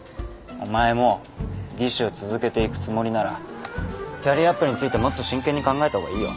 お前も技師を続けていくつもりならキャリアアップについてもっと真剣に考えた方がいいよ。